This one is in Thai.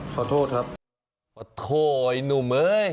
ขอโทษไอ้หนุ่มเอ้ย